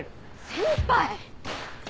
先輩！